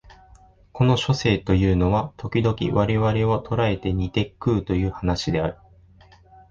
この書生というのは時々我々を捕えて煮て食うという話である